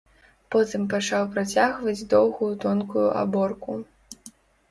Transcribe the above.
Потым пачаў працягваць доўгую тонкую аборку.